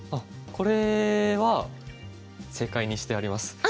これは正解にしてあります。